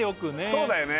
そうだよね